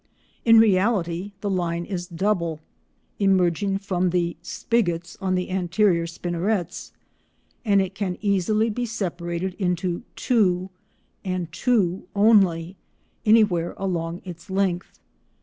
] In reality the line is double, emerging from the spigots (a) on the anterior spinnerets, and it can easily be separated into two—and two only—any where along its length.